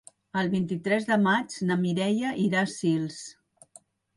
El vint-i-tres de maig na Mireia irà a Sils.